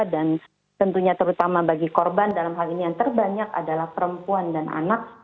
dan tentunya terutama bagi korban dalam hal ini yang terbanyak adalah perempuan dan anak